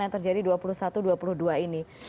yang terjadi dua puluh satu dua puluh dua ini